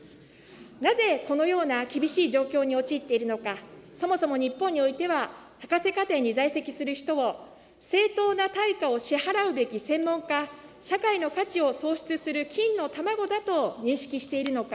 なぜ、このような厳しい状況に陥っているのか、そもそも日本においては、博士課程に在籍する人を、正当な対価を支払うべき専門家、社会の価値を創出する金の卵だと認識しているのか。